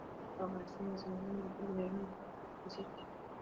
په افغانستان کې ځنګلونه د خلکو د ژوند په کیفیت تاثیر کوي.